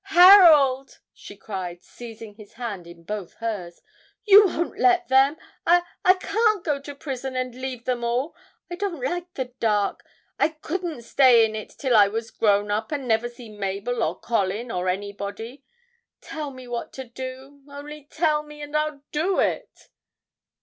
'Harold!' she cried, seizing his hand in both hers, 'you won't let them! I I can't go to prison, and leave them all. I don't like the dark. I couldn't stay in it till I was grown up, and never see Mabel or Colin or anybody. Tell me what to do only tell me, and I'll do it!'